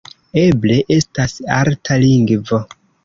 Eble estas arta lingvo.